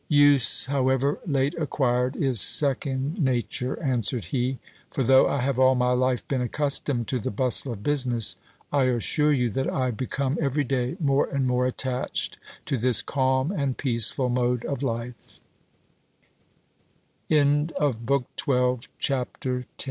Use, however late acquired, is second nature, answered he : for though I have all my life been accustomed to the bustle of business, I assure you that I become every day more and more attached to this calm and peaceful mode of l